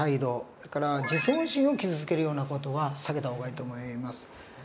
それから自尊心を傷つけるような事は避けた方がいいと思います。